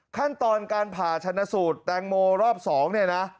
ขั้นตอนการผ่าชนะสูตรแตงโมรอบ๒เนี่ยนะ